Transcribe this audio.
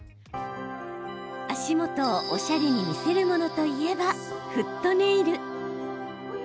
足元をおしゃれに見せるものといえば、フットネイル。